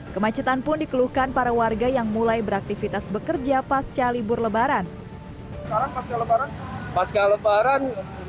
kemacetan pun dikeluhkan para warga yang mulai beraktivitas bekerja pasca libur lebaran